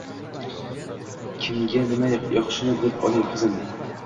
Kimga nima yoqishini bilib oling, qizim